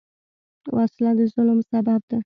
وسله د ظلم سبب ده